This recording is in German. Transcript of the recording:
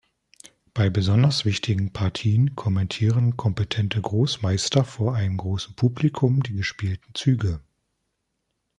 Bei besonders wichtigen Partien kommentieren kompetente Großmeister vor einem großen Publikum die gespielten Züge.